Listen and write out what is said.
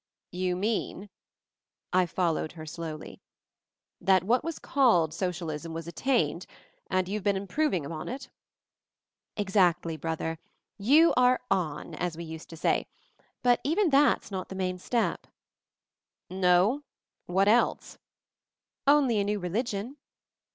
"You mean," I followed her slowly. "That what was called socialism was at tained — and you' ve been improving upon it?" "Exactly, Brother, 'y° u are on* — as we used to say. But even that's not the main step." "No? What else?" "Only a New Religion."